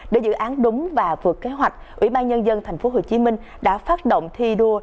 để dự án đúng và vượt kế hoạch ủy ban nhân dân tp hcm đã phát động thi đua